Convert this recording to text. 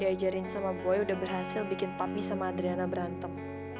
dia ajarin sama boy udah berhasil bikin papi sama adriana berantem